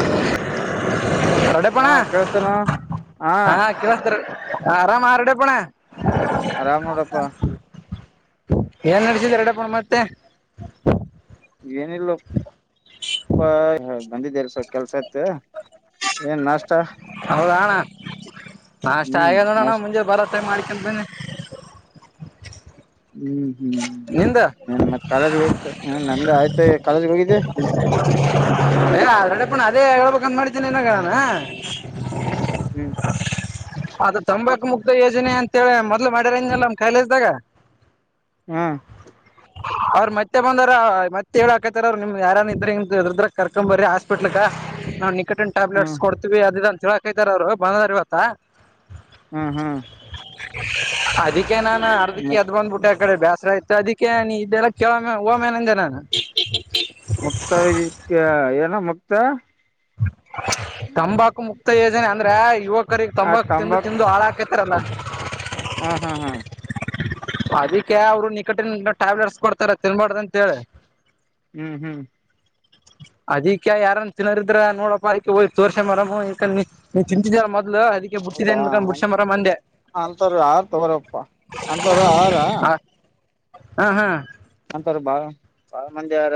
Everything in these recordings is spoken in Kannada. ಅಲ್ಲ ಹಾ ಹೊಡೆಪಣ ಕೇಳಸ್ತಾನ ಹಾ ಕೇಳತ ಆರಾಮ ರಡೆಪಣ ಆರಾಮ್ ಅವ್ರಪ್ಪಾ ಏನ್ ನಡೆಸಿದ ಎರಡಪ್ಪಣ ಮತ್ತೆ ಏನಿಲ್ಲ ಬಂದಿದ್ದ ಸ್ವಲ್ಪ ಕೆಲ್ಸ ಆತ ಏನ್ ನಾಷ್ಟ ಹೌದಣ್ಣ ನಾ ಅಷ್ಟ ಹ್ಮ್ ಆಗದ ನೋಡಣ ನಾಷ್ಟ ಮುಂಜೆ ಭರತ್ತೆ ಮಾಡ್ಕೊಂಡ ಬನ್ನಿ ಹ್ಮ್ ನಿಂದ ಹ್ಮ್ನ್ ಮತ್ತತ್ ಕಾಲೇಜ್ ಹೋಗ್ತ ಹ ನಂದ ಆಯ್ತ ಕಾಲೇಜಗೆ ಹೋಗಿದ್ದೆ ಹ [unintelligible] ಏ ಆಲ್ರೆಡಿ ಪ ಅದೇ ಹಬೇಕಕ್ ಅಂದ ಮಾಡತೀನಿ ಇನಾಗಾನ ಹ್ಮ್ ಅದ ತಂಬಾಕು ಮುಕ್ ಯೋಜನೆ ಅಂತೇಳಿ ಮೊದ್ಲು ಮಾಡ್ಯಾರಂದೆಲ್ಲ ನಮ್ಮ್ ಕಾಯಲೆಸ್ದಾಗ ಹ್ಮ ಅವ್ರ್ ಮತ್ತೆ ಬಂದಾರ ಮತ್ತತ್ ಹೇಳ ಹಕತಾರ ಅವರು ನಿಮ್ ಯಾರನ್ ಇದ್ರಂಗ ಇದದ್ರ ಕರ್ಕೊ್ ಬರ್ರಿ ಹಾಸ್ಪಿಟ್ಲ್ಕ್ಕ ನಾವು ನಿಕಟಿನ ಹ್ಮ್ ಟ್ಯಾಬ್ಲೆಟ್ಸ್ ಕೊಡ್ತೀವಿ ಅದ ಅಂತ ಹೇಳಕತಾರ ಅವರು ಬಂದದಾರ ಇವತ್ತ ಹ್ಮ್ ಹ್ಮ್ ಅದಕ್ಕೆ ನಾನು ಮು ಅರ್ಧಕ್ಕೆ ಅದ್ ಬಂದ್ಬಿಟ್ಟೆ ಆ ಕಡೆ ಬ್ಯಾಸ್ ಆ್ತ ಅದಕ್ಕೆ ನೀ ಇದೆಲ್ಲ ಕೆವೊಮ್ಮ ಹಾಮೆನಂದ ನಾನು [inaudible] ಮುಕ್ತ ಏನ ಮುಕ್ತ ಹ [unintelligible] ತಂಬಾಕು ಮುಕ್ತ ಯೋಜನೆ ಅಂದ್ರೆ ಯುವಕರಿಗೆಗ್ ಆ ತಂಬಾಕು ತಿಂದು ತಂಬಾಕ್ ತಿಂದು ಹಾಳ ಹಾಕತಾರಲ್ಲ [inaudible] ಹಾ ಹಾ ಹಾ ಅದಕ್ಕೆ ಅವರು ನಿಕಟ ಟ್ಯಾಬ್ಲೆಟ್ಸ್ ಕೊಡ್ತಾರ ತಿನ್ಬಾರ್ದ ಅಂತೇಳಿ ಹ್ಞೂ ಹ್ಞೂ ಅದಿಕ್ಕೆ ಯಾರನ್ ತಿನ್ನೋರಿದ್ರ ನೋಡಪ್ಪ ಅಕ ಹ ತೋರ್ಷೆ ಮರಮ ಈಕ ನೀವು್ ತಿಂತಿದ್ದೀರ ಮೊ್ಲು ಅದಕ್ಕೆ ಬೊತ್ತಿದ್ದಿದೆನ್ ಬ ಮುುಷ ಮರ ಮಂದೆ ಅಂತವ್ರ ಆರು ತಗೋರಪ್ಪಾ ಅಂತವರು ಆರ ಹ ಹಾ ಹಾ ಅಂತವ್ರ ಬಾಳ ಬಾಳ ಮಂದಿ ಹಾರ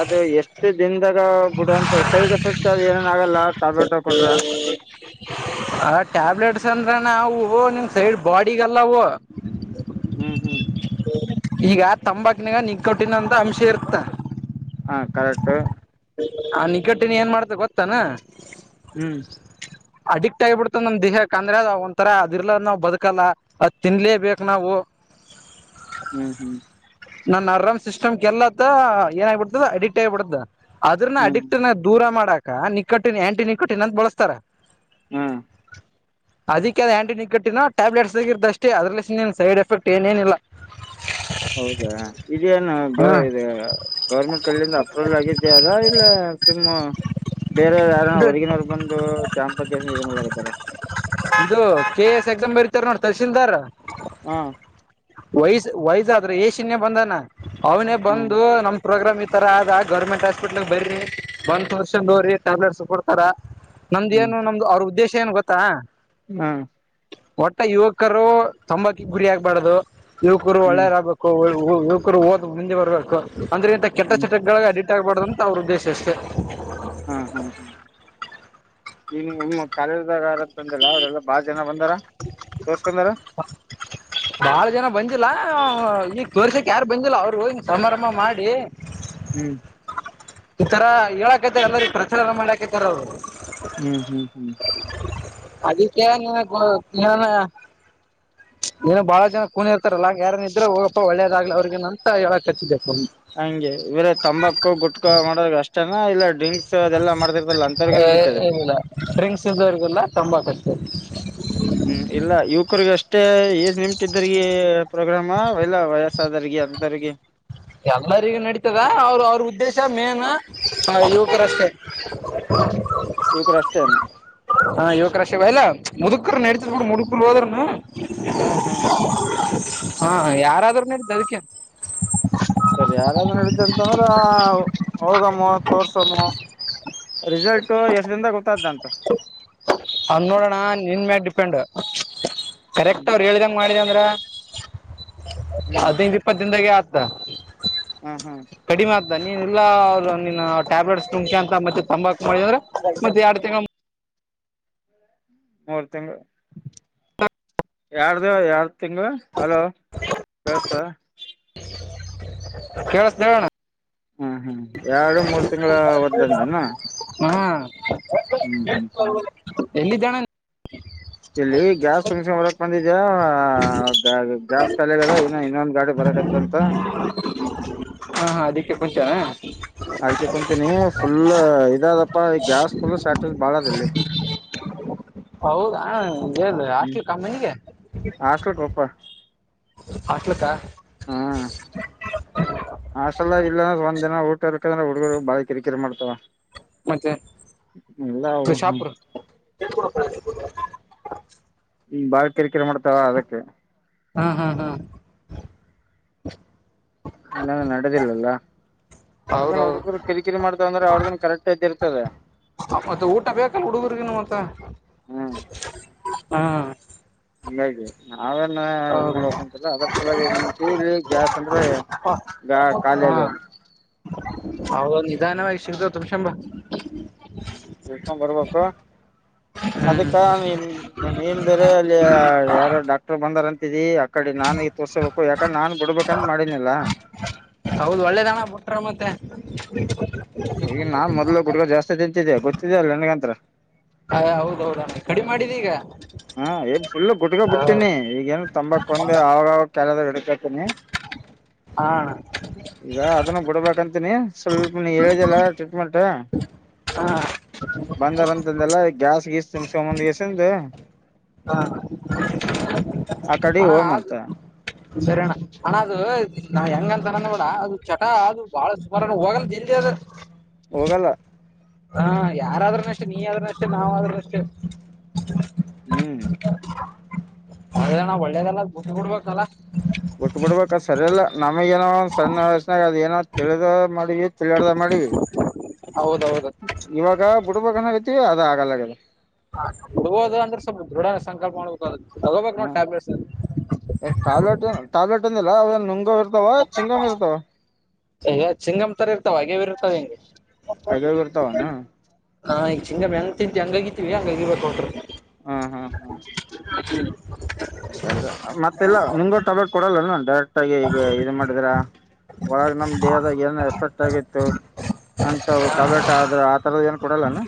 ಅದು ಎಷ್ಟು ದಿನದಾಗ ಬಿಡುವಂತ ಸೈಡ್ ಎಫೆಕ್ಟ್ ಅದು ಏನೇನು ಆಗಲ್ಲ ಟ್ಯಾಬ್ಲೆಟ್ ಕೊಟ್ರ ಆ ಟ್ಯಾಬ್ಲೆಟ್ಸ್ ಅಂದ್ರ ನ ಹೂವು ನಿಮ್ ಸೈಡ್ ಬಾಡಿಗೆಲ್ಲ ಹೂವು ಹ್ಮ್ ಹ್ಮ್ ಈಗ ತಂಬಾಕಿನಾಗ ನಿಗ್ ಕಟ್ಟಿನ ಅಂತ ಅಂಶ ಇರ್ತ ಹ ಕರೆಕ್ಟ್ ಆ ನಿಗಟ್ಟಿನ ಏನ್ ಮಾಡ್ತ ಗೊತ್ತಾನ ಹ್ಮ್ ಅಡಿಕ್ಟ್ ಆಗಿಬಿಡ್ತದೆ ನಮ್ ದೇಹಕ್ಕ ಅಂದ್ರೆ ಅ ಒಂಥರ ಅದರ್ಲದ ನಾವು ಬದುಕಲ್ಲ ಅದು ತಿನ್ಲೇಬೇಕು ನಾವು ಹ್ಮ್ ಹ್ಮ್ ನನ್ ಅರಾಮ್ ಸಿಸ್ಟಮ್ ಕೆಲ್ಲತ್ತ ಏನ ಆಗಿಬಿಡ್ತದ ಅಡಿಕ್ಟ್ ಆಗಿಬಿಡತ ಅದ್ರನ್ನ ಹ್ಮ್ ಅಡಿಕ್ಟ್ ನ ದೂರ ಮಾಡಾಕ ನಿಕ್ಕಟ್ಟಿನ ಆಂಟಿ ನಿಕ್ಕಟ್ಟಿನ ಅಂತ ಬಳಸ್ತಾರ ಹಾ ಅದಕ್ಕೆ ಅ ಆಂಟಿಗಟ್ಟಿನ ಟ್ಯಾಬ್ಲೆಟ್ಸ್ಗರ್ತ ಅಷ್ಟೇ ಅದಲ್ಲಿ ಸೈಡ್ ಎಫೆಕ್ಟ್ ಏನೇನಿಲ್ಲ ಹೌದಾ ಇದೇನು ಗ ಹ್ಮ ಇ ಗೌರ್ಮೆಂಟ್ ಕಡೆಯಿಂದ ಅಪ್ರೂವಲ್ ಆಗಿದ್ದೇ ಅದ ಇಲ್ಲ ಸುಮ್ಮ್ ಬೇರೆೆಯವ ಯಾರ ಹೊರಗಿನವ ಬಂದು ಕ್ಯಾಂಪ್ ಬಗ್ಗೆ ಇದ ಮಲತ್ತಾರ ಇದು ಕೆ ಎಸ್ ಎಕ್ಸಾಮ್ ಬರತಾರ ನೋಡ್ ತರ್ಸೀಲ್ದಾರ್ ಹಾ ವಯಸ್ ವಯಸಾದ್ರೆ ಏಶನ ಬಂದಾನ ಅವನೇ ಹ್ಮ್ ಬಂದು ನಮ ಪ್ರೋಗ್ರಾಮ್ ಇತ್ತು ಅ ಗೌರ್ಮೆಂಟ್ ಹಾಸ್ಪಿಟ್ಲ್ ಬರ್ರಿ ಬಂದ್ ತೋರಿಸಿ ಟ್ಯಾಬ್ಲೆಟ್ಸ್ ಕೊಡ್ತಾರ ನಮ್ದ ಹ್ಮ್ ಏನ್ ನಮ್ದು ಅವ್ರ ಉದ್ದೇಶ ಏನು ಗೊತ್ತಾ ಹಾ ಒಟ್ಟ ಯುವಕರು ತಂಬಾಕಿ ಗುರಿ ಆಗ್ಬಾರ್ದು ಯುವಕರು ಹ್ಮ್ ಒಳ್ಳೇರಾಗಗ್ಬೇಕು ಯುವಕರು ಓದ್ ಮುಂದೆ ಬರ್ಬೇಕು ಅಂದ್ರಗಂತ ಕೆಟ್ಟ ಹ್ಮ್ ಚಿಟಗಳ ಗಬಾರ್ದು ಅಂತ ಅವ್ರ ಉದ್ದೇಶ ಅಷ್ಟೇ ಹ್ಮ್ ಹ್ಮ್ ಹ್ಮ್ ಇನ್ನು ನಿಮ್ಮ ಕಾಲೇಜ್ ಬ್ಯಾಗ್ ಬಂದಿಲ್ಲಲ್ಲ ಅವ್ರೆಲ್ಲಾ ಬಾಳ ಜನ ಬಂದಾರ ತೋರ್ಸ್ಕೊಂಡಾರ ಹ ಬಾಳ ಜನ ಬಂದಿಲ್ಲ ಈ ತೋರ್ಸಕ್ ಯಾರು ಬಂದಿಲ್ಲ ಅವರು ಸಮಾರಂಭ ಮಾಡಿ ಹ್ಮ್ ಈ ತರ ಹೇಳಕತೆ ಎಲ್ಲರಿ ಪ್ರಚಲನ ಮಾಡಾಕತಾರ ಅವರು ಹ್ಮ್ ಹ್ಮ್ ಹ್ಮ್ ಅದಕ್ಕೆ ನೀ ಏನು ಬಾಳ ಜನ ಕೂನಿರ್ತಾರಲ್ಲ ಯಾರನ್ ಇದ್ರೆ ಹೋಗಪ್ಪ ಒಳ್ಳೇದಾಗ್ಲಿ ಅವ್ರರಿಗೆಗ ಅಂತ ಹೇಳ ಕ ಹಂಗೆ ಇವರ ತಂಬಾಕು ಗುಟ್ಕಾ ಮಾಡದ ಅಷ್ಟೇನಾ ಇಲ್ಲ ಡ್ರಿಂಕ್ ಇಿಲ್ಲ ್ರಿಂಗ್ಸ್ ಇ್ದವರ್ಗಲ್ಲ ತಂಬಾ ಕಷ್ಟ [inaudible] ಹ್ಮ್ ಇಲ್ಲ ಯುವಕರಿಗ ಅಷ್ಟೇ ಏಜ್ ನಿಮಟ್ದ್ರಗ ಪ್ರೋಗ್ರಾಮ ಇಲ್ಲ ವಯಸ್ ಹದರಿಗೆ ಅದರಿಗೆ ಎಲ್ಲರಿಗೂ ನಡೀತದ ಅವರು ಅವ್ರ ಉದ್ದೇಶ ಮೇನ್ ಯುವಕರಷ್ಟೇ ಹ ಇವು ಕೂಡ ಅಷ್ಟೇನು ಹಾ ಯುವಕರ ಶಿವ ಎಲ್ಲಾ ಮುದುಕರ ನಡತಿದ್ ಬಿೂಡ ಮುಡ್ಕುಲ್ ಹೋದರುನು ಹ್ಮ್ ಹ್ಮ್ ಹಾ ಯಾರಾದ್ರೂ ನಡ್ದ ಅದಕ್ಕೆ ಸರಿ ಯಾರಾದ್ೂ ನಡ್ದ ಅಂತಂದ್ರ ಹೋಗಮ್ಮ ತೋರ್ಸೋನು ರಿಸಲ್ಟ್ ಎಷ್ಟ ದಿನದಾಗ ಗೊತ್ತಾದ್ದ ಅಂತ ಅವ್ ನೋಡೋಣ ನಿನ್ ಮೇ ಡಿಪೆಂಡ್ ಕರೆಕ್ಟ್ ಹ್ಮ್ ಅವ್ರು ಹೇಳಿದ ಮಾಡಿದ ಅಂದ್ರ ಹ್ಮ್ ಹಿನ ಇಪ್ಪತ್ತು ದಿನದಾಗೆ ಆತ ಹಾ ಹಾ ಕಡಿಮೆ ಆಗ್ತ ನೀನ್ ಇಲ್ಲಾ ಅವ್ರರು ನಿನ್ನ ಟ್ಯಾಬ್ಲೆಟ್ಸ್ ತುಮಕಿ ಅಂತ ಮತ್ತೆ ತಂಬಾಕು ಮಾಡ ಅಂದ್ರೆ ಮತ್ತೆ ಎರಡ್ ತಿಂ ಮೂರ್ ತಿಂಗಗಳು ಯಾರ್ದ ಯಾರ್ದು ತಿಂಗಗಳು ಹಲೋ ವಸ್ತ ಕೇಳಸ ಹೇಳಣ್ಣ ಹ್ಞೂ ಹ್ಞೂ ಎರಡು ಮೂರು ತಿಂ್ಗಳ ಒದ್ದಂದನಾ ಹಾ ಹ್ಮ್ ಎಲ್ಲಿಿದ್ದಣ ಇಲ್ಲಿ ಗ್ಯಾಸ್ ತುಮ್ಸ್ ಬರಕ್ ಬಂದಿದ್ಯಾ ಗ್ಯಾಸ್ ಕಾಲ ಅದ ಇನ್ನ ಇನ್ನೊಂದ್ ಗಾಡಿ ಬರಕ್ ಂತ ಹಾ ಹಾ ಅದಿಕ್ಕೆ ಕೊಂಚಾನ ಅದ್ಕ್ಕೆ ಕುಂತೀನಿ ಫುಲ್ ಇದದಪ್ಪ ಈ ಗ್ಯಾಸ್ ಫುಲ್ ಸ್ಯಾಟ್ ಬಾಳ ಅದ್ಲ್ಲಿ ಹೌದ ಹ ಹೇಳ ಆಾಕಿ ಕಮ್ಮಿಗೆ ಹಾಸ್ಟಲ್ ಕೊಪ್ಪ ಹಾಟ್ಲ್ಕ್ಕ ಹಾ ಅಷ್ಟೆಲ್ಲ ಇಲ್ಲ ಅಂದ್ರ ಒಂದ ದಿನ ಊಟರ್ಕಂದ್ರೆ ಹುಡುಗರುಾಳ ಕಿರಿಕಿರಿ ಮಾಡ್ತವ ಮತ್ತೆ ವಿಷಾಪುರ್ ಹ್ ಬಾಳ ಕೆರಿಕರೆ ಮಾಡ್ತಾವ ಅದಕ್ಕೆ ಹಾ ಹಾ ಹಾ ನಾನ ನಡೆದಿಲ್ಲಲ್ಲ ಅವ್ರದ್ದನ್ ಹೌದೌದು ಹುಡುಗರು ಕರಿಕಿರಿ ಮಾಡತ ಅಂದ್ರ ಅವ್ರದ್ದ ಕರೆಕ್ಟ್ ಇದ್ದ ಇರ್ತದೆ ಮತ್ತೆ ಊಟ ಬೇಕಲ್ಲ ಹುಡುಗರ್ಗನು ಮತ್ತ ಹ್ಮ್ ಹಾ. ಹಂಗಾಗಿ ನಾವೇನ್ ಇದ್ ಹೌದು ಮಾಡ್ಬೇಕಂತಲ್ಲ ಅದ್ರ ಸಲವಾಗಿ ಏಂಗಂತವಿ ಇಲ್ಲಿ ಗ್ಯಾಸ್ ಅಂದ್ರೆ. ಗಾ ಕಾಲೇಜು. ಹೌದ ನಿಧಾನವಾಗಿ [unintelligible] [unintelligible] ಬರ್ಬೇಕು. ಹ್ಮ್ ಅದಕ್ಕ ನಿಮ ನೀನ್ ಬೇರೆ ಅಲ್ಲಿ ಯಾರ ಡಾಕ್ಟರ್ ಬಂದಾರ ಅಂತಿದಿ. ಆ ಕಡೆ ನಾನು ಈ ತೋರ್ಸಬೇಕು ಯಾಕಂದ್ರೆ ನಾನ್ ಬಿಡ್ಬೇಕಂತ ಮಾಡನಿಲ್ಲ. ಹೌದು ಒಳ್ಳೆದಣ ಬಿುಟ್ರ ಮತ್ತೆ. ಈಗ ನಾ ಮೊದಲು ಗುಟಕಾ ಜಾಸ್ತಿ ತಿಂತಿದ್ದಿದೆೆ ಗೊತ್ತಿದೆ ಅಲ್ಲ ನಿನ್ಗಂತತ್ರ. ಹ ಹೌದೌದಣ ಕಡಿಮ ಮಾಡಿದ ಈಗ. ಹಾ ಏ ಫುಲ್ ಗುಟ್ಗ ಹಾ ಬಿಡ್ತೀನಿ ಈಗ ಏನು ತಂಬಾಕ್ಕ ಒಂದ ಆವಾಗವಾಗ ಕೆಲದ ಇಡಕಾತನಿ. ಹ ಅಣ್ಣಾ. ಈಗ ಅದನ್ನ ಬಿಡ್ಬೇಕಂತೀನಿ ಸ್ವಲ್ಪ ನೀ ಹೇಳಿದಲ್ಲ ಟ್ರೀಟ್ಮೆಂಟ್. ಹಾ. ಬಂದಾರಂತಂದಲ್ಲ ಗ್ಯಾಸ್ ಗೀಸ್ ತುಂಬ್ಸಕೊಂದ ಗೇಸಂದ. ಹಾ ಆ ಕಡೆ ಅಣ್ಣಾ ಹಾಲ್. ಹೋಮಂತ ಸರಿ ಅಣ್ಣ ಅಣ್ಣ ಅದು ನಾ ಹೆಂಗಂತನಂದ ಬಿೋಡ ಅದು ಚಟ ಅದು ಬಾಳ ಸುಮಾರನ ಹೋಗಲ್ಲ ಜಲ್ದಿ ಅದ. ಹೋಗಲ್ಲ. ಹಾ ಯಾರಾದ್ರೂ ಅಷ್ಟೆ ನೀ ಆದ್ರೂನು ಅಷ್ಟೆ ನಾವಾದ್ರೂ ಅಷ್ಟೆ. ಹ್ಮ್. ಅದೇ ಅಣ್ಣಾ ಒಳ್ಳೇದಲ್ಲ ಬುಟ್ಟು ಬಿಡ್ಬೇಕ ಅಲ್ಲಾ. ಬಿಟ್ ಬಿಡ್ಬೇಕ ಸರಿಯಲ್ಲ ನಮಗ ಏನೋ ಒಂದ ಸಣ್ಣ ವಯಸನ್ಯಾಗ ಏನೋ. ತಿಳದ ಮಾಡಿ ತಿಳಲಾರದ ಮಾಡಿ. ಹೌದ ಹೌದ. ಇವಾಗ ಬುಡಬೇಕ್ ಅನ್ನಕುತ್ತೇವ ಅದ ಆಗಲ್ಲಗದೆ. ಹೋಗೋದ ಅಂದ್ರೆ ಸ್ವಲ್ಪ ದೃಢ ಸಂಕಲ್ಪ ಮಾಡ್ಬೇಕ ತಗೋಬೇಕು ನೋಡ ಹ್ಮ್ ಟ್ಯಾಬ್ಲೆಟ್ಸ್. ಟ್ಯಾಬ್ಲೆಟ್ ಏ ಟ್ಯಾಬ್ಲೆಟ್ ಅಂದಿಲ್ಲ ಅವ ನುಂಗವ್ ಇರ್ತಾವ ಚಿಂಗಮ್ಮ್ ಇರ್ತಾವ. ಈಗ ಚಿಂಗಮ ತರ ಇರ್ತಾವ ಅಗೇವ ಇರ್ತಾವ ಹಿಂಗ. ಅಗವ್ ಇರ್ತಾವನ ಹಾ ಈಗ ಚಿಂಗಮ ಹೆಂಗ ತಿಂತೇವ ಹಂಗ್ ಅಗಿತೀವಿ ಹಂಗ ಅಗಿಬೇಕ್ ಅವತುರ್ಣ. ಹ್ಮ್ ಹ್ಮ್ ಹ್ಮ್. ಹಾಗಾದ್ರ ಮತ್ತೆಲ್ಲ ನಿಂಗಗೂ ಟಬ್ಯಾಟ್ ಕೊಡಲ್ಲನು ಡೈರೆಕ್ಟ್ ಆಗಿ ಈಗ ಇಡ ಮಾಡಿದ್ರ. ಒಳಗ್ ನಮ್ ದೇಹದಾಗ ಏನ್ ಎಫೆಕ್ಟ್ ಆಗಿತ್ತು. ಅಂತವ ಟಬ್ಲೆಟ್ ಆದ್ರ ಆ ತರದ ಏನು ಕೊಡಲ್ಲಾನ.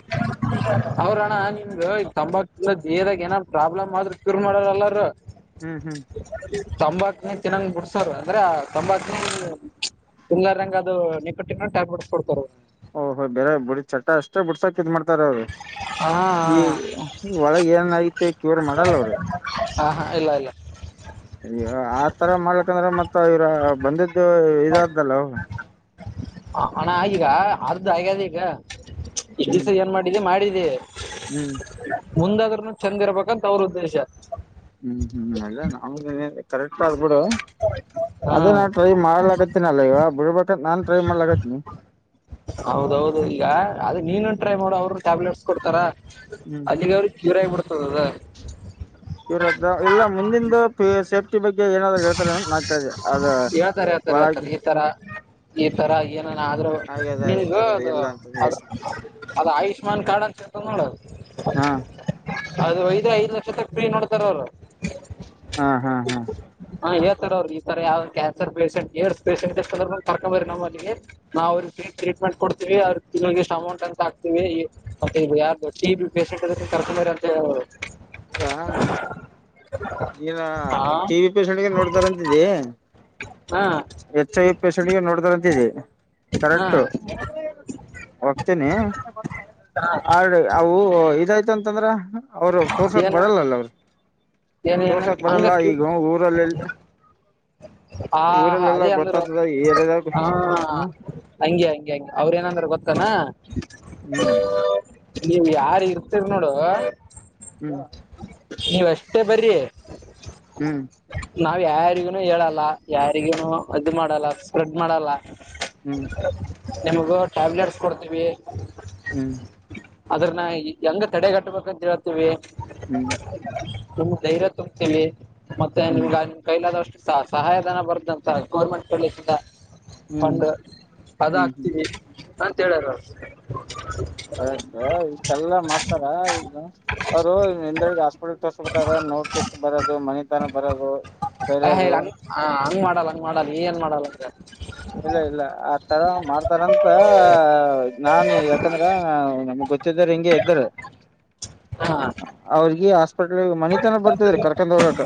ಅವ್ರಣ್ಣ ನಿಮ್ದು ತಂಬಾಕ ತಿಂದರ ದೇಹದಾಗ ಏನಾದಾರರು ಪ್ರಾಬ್ಲಮ್ ಆದ್ರರು ಕೂರ್ ಮಾಡಾರಲ್ಲಾರ. ಹ್ಮ್ ಹ್ಮ್. ತಂಬಾಕಿನಿ ಚೆನ್ನಾಗ್ ಬಿಡ್ಸಾರ ಅಂದ್ರೆ ತಂಬಾಕಿನ. ತುಂಗಾರಂಗಗೆ ಅದು ನಿಕಟ್ಟಿನ ಟ್ಯಾಬ್ಲೆಟ್ಸ್ ಕೊಡ್ತಾರ. ಓಹ ಹೊ ಬೇರೆ ಬಿಡ ಚಟ್ಟ ಅಷ್ಟೇ ಬಿಡ್ಸಕ್ ಇದ್ ಮಾಡ್ತಾರ ಅವರು ಹಾ ಈಗ. ಈ ಒಳಗೆ ಏನ್ ಐತೆ ಕ್ಯೂರ್ ಮಾಡಲ್ಲ ಅವ್ರ. ಹಾ ಹಾ ಇಲ್ಲ ಇಲ್ಲ. ಆತರ ಮಾಡ್ಲಕಂದ್ರೆ ಮತ್ತ ಇವ್ರ ಬಂದ್ದು ಇದಾದ್ದಲ್ಲ ಅವರ್ದ. ಹ ಅಣ್ಣಾ ಈಗ ಅರ್ಥ ಆಗ್ಯದ ಈಗ ಈ ದಿವ್ಸ ಹ್ಮ್ ಏನ್ ಮಾಡಿದ್ದ ಮಾಡಿದ್ದ. ಹ್ಮ್. ಮುಂದಾದ್ರರುನು ಚಂದ ಇರ್ಬೇಕಂತ ಅವ್ರ ಉದ್ದೇಶ. ಹ್ಮ್ ಹ್ಮ್ ಎಲ್ಲ ನಾವ ಕರೆಕ್ಟ್ ಅದ ಬಿಡು. ಹಾ ಟ್ರೈ ಮಾಡ್ಲಾತ್ತಿನಿ ಅಲ್ಲ ಈಗ ಬಿಡ್ಬೇಕ ನಾನನ್ ಟ್ರೈ ಮಾಡ್ಲಾತ್ತಿನಿ ಹೌದೌದು ಈಗ ಅದ ನೀನು ಟ್ರೈ ಮಾಡ ಅವರು ಟ್ಯಾಬ್ಲೆಟ್ಸ್ ಕೊಡ್ತಾರಾ ಹ್ಮ್ ಅಲ್ಲಿಗೆ ಅವ್ರಿಗೆ ಜೀರ ಆಾಗಿಿ ಬಿಡ್ತದ ಅದ ಶಿವರದ ಎಲ್ಲ ಮುಂದಂದು ಸೇಫ್ಟಿ ಬಗ್ಗೆ ಏನಾದ್ರು ಹೇಳ್ತಾರೆ ಅದ ಹೇಳ್ತಾರೆ ಹೇಳ್ತಾರೆ ಒಳಗೆ ಹೇಳ್ತಾರೆ ಈ ತರ ಈ ತರ ಏನ ಆದ್ರೂ ಹಾಗೆದ ಈ ನಿನ್ಗೂ ತರದ ಅದು ಇಲ್ಲ ಅದು ಅಂತಷ್ಟ ಅದ ಆಯುಷ್ಮಾನ್ ಕಾರ್ಡ್ ಅಂತತ ನೋಡದು ಹಾ ಅದು ಒದ್ರ ಐ್ ಲರ್ಕ್ಷ ತಕ್ ನೋಡ್ತಾರ ಅವ್ರು ಹಾ ಹಾ ಹಾ ಹಾ ಹೇತಾರ ಅವ್ರರು ಈ ತರ ಯಾವ್ದ ಕ್ಯಾನ್ಸರ್ ಪೇಷೆಂಟ್ ಏರ್ಸ್ ಪೇಷಂಟ್ ಎಷ್ಟ ಕರ್ಕೊಂಬರಿ ನಮ್ಮ ಅಲ್ಲಿಗೆ ನಾವವು ಅವ್ರಿಗೆ ಫೀಮೆಂಟ್ಡ್ತೀವಿ ಅವ್ರರು ತಿನ್ಳಗಿಷ್ಟ ಅಮೌಂಟ್ ಅಂತ ಹಕ್ತಿವಿ ಈ ಮತ್ತ ಯಾರ್ ಗೊ ಟ ಬಿ ಪೇಷಂಟ್ಕ್ಕೆ ಕರ್ಕೊಂಡಿ ಅಂತ ಅವರು ಈಲ್ಲ ಈನ ಹಾ ಟಿ ವಿ ಪಿಷಗೆ ನೋಡ್ತಾರಂತಿದಿ ಹಾ ಹೆಚ್ ಐ ಪಷೆಂಟ್ಗೆ ನೋಡ್ತಾರಂತಿ ಹಾ ಕರೆಕ್ಟ ಹೋಗ್ತೇನೆ ಹಾ ಆ್ರ ಅವು ಇದಾಯ್ತ ಅಂತಂದ್ರ ಅವರು ತೋರ್ಸೋಕ್ ಏನ ಬರಲ್ಲಲ್ಲ ಅವ್ರು ಏನ ಏನ ತೋರ್ಸಕ್ ಹಂಗ ಬರಲ್ಲ ಕ್ಯೂ ಈಗ ಊರಲ್ಲೆಲ್ಲ ಹಾ ಅದೇ ಅಂದರು ಗೊತ್ತಾಗ್ತದ ಏರಿಯಾದಾಗ ಹ ಹ್ಮ ಹಂಗಗೆ ಹಂಗಗೆ ಹಂಗಿ ಅವ್ರ ಏನಂದ್ರೆ ಗೊತ್ತಾನ ಹ್ಮ್ ನೀವ್ ಯಾರ್ ಇರ್ತೀರಿ ನೋಡು ಹ್ಮ ನೀವಷ್ಟೇ ಬರ ಹ್ಮ್ ನಾವ್ ಯಾರಿಗನು ಹೇಳಲ್ಲ ಯಾರಿಗನು ಇದು ಮಾಡಲ್ಲ ಸ್ಪ್ರೆಡ್ ಮಾಡಲ್ಲ ಹ್ಮ್ ಹ್ಮ್ ನಿಮಗೂ ಟ್ಯಾಬ್ಲೆಟ್ಸ್ ಕೊಡ್ತೀವಿ ಹ್ಮ್ ಅದ್ರನ್ನ ಹೆಂಗ ತಡೆಗಟ್ಬೇಕಂತ ಹೇತೀವಿ ಹ್ಞೂ ನಮ್ ಧೈರ್ಯ ತುಂಬತೀವಿ ಮತ್ತೆ ಹ್ಮ್ ನಿಗ ಕೈಲಾದಷ್ಟು ಸಹ ಸಹಾಯಧನ ಬರ್ದಂತ ಗೌರ್ಮೆಂಟ್ ಕಲೇಜಿಂದ ಹ್ಮ್ ಪಂಡ ಅದ ಹ್ಮ್ ಹ್ಮ್ ಹಾಕ್ತೀವಿ ಅಂತ ಹೇಳಾರ ಅವರು ಹ ಇಷ್ಟೆಲ್ಲ ಮಾಡ್ತಾರ ಇ ಅವ್ರು ಇಂದಡಿಅಸ್ [unintelligible] ನೋಟಿಸ್ ಬರೋದು ಮನಿ ತನ ಬರೋದು ಅ ಹೇ ಬೇರೆದು ಹಂಗ್ ಹಂಗ್ಮಾಡಲ್ಲ ಹಂಗ್ಮಾಡಲ್ಲ ಏನ್ ಮಾಡಲ್ಲ ಅಂದ್ರ ಇಲ್ಲ ಇಲ್ಲ ಆ ತರ ಮಾಡ್ತಾರಂತ ನಾನ್ ಯಾಕಂದ್ರೆ ನಮ್ಗ್ ಗೊತ್ತಿ [unintelligible] ಇಂಗೆ ಇದರೆ ಹ [unintelligible] ಅವ್ರಿಗೆ ಹಾಸ್ಪಿಟ್ಲ್ ಮನಿತನ ಬರ್ತಿದ್ರಿ ಕರ್ಕೊಂಡ್ ಹೋಗಕ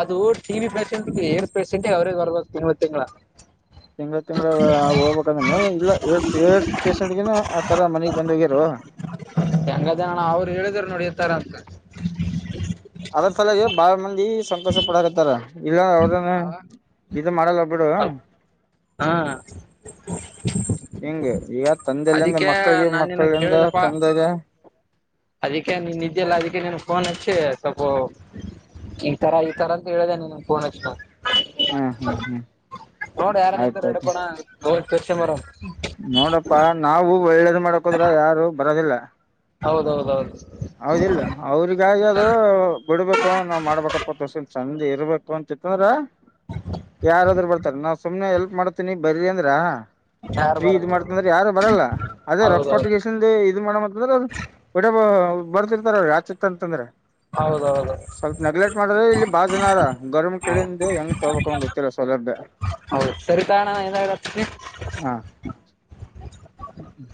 ಅದು ಟೀವಿ ಪರ್ಸೆಂಟ್ ಎರಡ್ ಪರ್ಸೆಂಟ ಅವ್ರೇ ಬರ್ಬೇಕು ತಿನ್ವ ತಿಂಗಳ ತಿಂಗ್ಳ ತಿಂಗ್ಳ ಹೋಗ್ಬೇಕಂದ ಇಲ್ಲ ಎಏಡ್ಸ್ ಏಡ್ಸ್ ಪೇಶಷೆಂಟ್ಗನು ಆತರ ಮನಗ್ ಬಂದಗ್ಯರು ಹ [unintelligible] ಹೆಂಗದ ನಣ ಅವ್ರು ಹೇಳಿದ್ರು ನೋಡಿ ಈತರ ಅಂತ [unintelligible] ಅದ್ರ ಸಲ ಬಾಳ ಮಂದಿ ಸಕೋಷ ಪಡಕತ್ತಾರ ಇಲ್ಲ ಅವ್ರನ ಇದು ಮಾಡಲ್ಲ ಬಿಡು ಹಾ ಹಿಂಗೆ ಈಗ ತಂದೆ ಇಲ್ಲ ಅಂದ್ರೆ ಅದಕ್ಕೆ ಮಕ್ಕಳಿಗೆ ನಾನ್ ಮಕ್ಕಳು ನಿನಗ್ ಇಲ್ಲಾಂದ್ರೆ ಕೇಳಿದಪ್ಪ ತಂದೆಗೆ. ಅದಕ್ಕೆ ನೀನ್ ಇದ್ದಿಯಲ್ಲ ಅದಕ್ಕೆ ನಿನಗ್ ಪೋನ್ ಹಚ್ಚಿ ಸ್ವಲ್ಪ್ ಈತರ ಈತರ ಅಂತ ಹೇಳಿದೆ ನೀನು ಪೋನ್ ಹಚ್ಚದ. ಹ್ಮ್ ಹ್ಮ್ ಹ್ಮ್ ನೋಡು ಯಾರದ್ರೂ ಇದ್ರೆ‌ ಆಯ್ತಾಯ್ತು ಇಡ್ಕೊಡ ಓಲ್ಡ್ ಕಾಸ್ಟಮರ. ನೋಡಪ್ಪಾ ನಾವು ಒಳ್ಳೇದ್ ಮಾಡಕೊದ್ರೆ ಯಾರು ಬರೋದಿಲ್ಲ. ಹೌದೌದೌದು ಹೌದ್ ಇಲ್ಲೊ ಅವ್ರಿಗಾಗಿ ಅದು ಬಿಡ್ಬೇಕು ನಾವ್ ಮಾಡ್ಬೇಕಪ್ಪ ತೋಸು ಚಂದ್ ಇರ್ಬೇಕು ಅಂತಿತ್ತಂದ್ರೆ. ಯಾರಾದ್ರು ಬರ್ತಾರೆ ನಾವು ಸುಮ್ನೆ ಎಲ್ಪ್ ಮಾಡತೀನಿ ಬರ್ರಿ ಅಂದ್ರೆ ಯಾರು ಫ್ರೀ ಇದ್ ಬರಲ್ಲ ಬರಲ್ಲ ಮಾಡ್ತಿನಂದ್ರೆ ಯಾರು ಬರಲ್ಲ ಅದೇ ರೊಕ್ ಹೌದೌದು ಕೊಟ್ ಇದು ಮಾಡಮ್ ಅಂತ ಅಂದ್ರೆ ರ ಹೊಟ ಬರ್ತಿರ್ತಾರೆ ಆಚಿತ್ತ್ ಅಂತಂದ್ರೆ. ಹೌದೌದು ಸ್ವಲ್ಪ ನೆಗ್ಲೆಕ್ಟ್ ಮಾಡವ್ರೆ ಇಲ್ಲಿ ಬಾಳ ಜನ ಅರ ಗೌರ್ಮಂಟ್ ಕಡೆ ಇಂದ ಹೆಂಗ್ ತಗೋಬೇಕ್ ಅಂತ ಗೊತ್ತಿಲ್ಲ ಸೌಲಭ್ಯ. ಹೌದು ಸರಿ ತಗಣ್ಣ ಏನೋ ಹಚ್ತೀನಿ ಹಾ ಹ್ಮ್